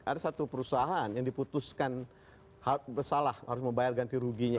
ada satu perusahaan yang diputuskan bersalah harus membayar ganti ruginya